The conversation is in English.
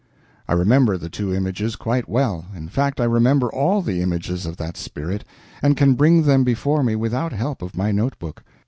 I remember the two images quite well; in fact, I remember all the images of that spirit, and can bring them before me without help of my notebook.